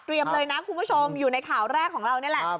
เลยนะคุณผู้ชมอยู่ในข่าวแรกของเรานี่แหละ